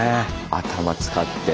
頭使って。